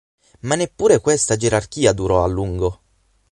Ma neppure questa gerarchia durò a lungo.